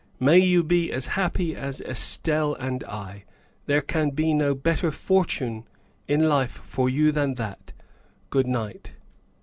" May you be as happy as Estelle and I. There can be no better fortune in life for you than that. Good night.